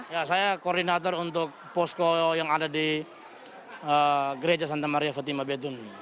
ya saya koordinator untuk posko yang ada di gereja santa maria fatima betun